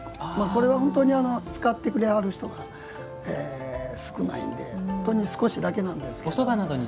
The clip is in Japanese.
これは本当に使ってくれはる人が少ないので本当に少しだけなんですけど。